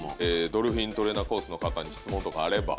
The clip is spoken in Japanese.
ドルフィントレーナーコースの方に質問とかあれば。